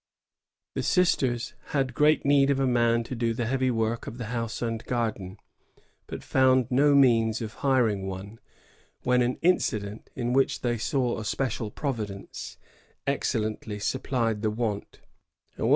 The sisters had great need of a man to do the heavy work of the house and garden, but found no means of hiring one, when an incident, in which they saw a special providence, excellently supplied the want. There was